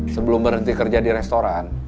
sebelum berhenti kerja di restoran